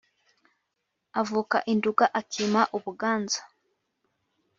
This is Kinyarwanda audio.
avuka i nduga akima u buganza,